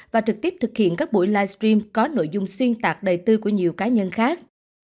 và trực tiếp thực hiện các buổi livestream có nội dung xuyên tạc đời tư của nhiều cá nhân khác